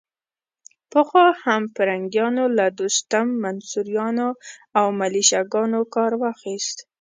پخوا هم پرنګیانو له دوستم، منصوریانو او ملیشه ګانو کار واخيست.